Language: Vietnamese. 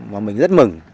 mà mình rất mừng